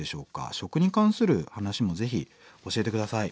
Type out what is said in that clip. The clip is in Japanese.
食に関する話もぜひ教えて下さい。